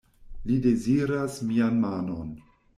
Li deziras mian manon.